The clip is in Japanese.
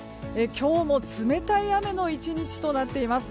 今日も冷たい雨の１日となっています。